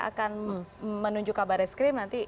akan menunjuk kabar reskrim nanti